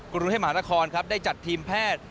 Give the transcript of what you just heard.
กรุงเทพมหานครครับได้จัดทีมแพทย์